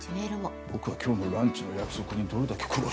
僕は今日のランチの約束にどれだけ苦労したか。